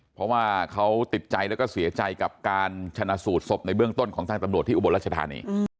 เพราะว่าเขาติดใจแล้วก็เสียใจกับการชนะสูตรศพในเบื้องต้นของทางตำรวจที่อุบลรัชธานี